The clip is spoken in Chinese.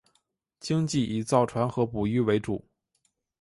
经济以造船和捕鱼为主。